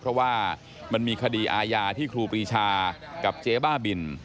เพราะว่ามันมีคดีอาญาที่ครูปรีชากับเจ๊บ้าบิน